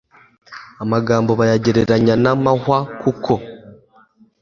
amagambo bayagereranya n'amahwakuko